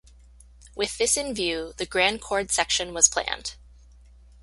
With this in view, "The Grand Chord" section was planned.